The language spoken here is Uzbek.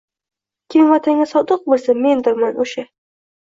“Kim Vatanga sodiq bo‘lsa, mendirman o‘sha”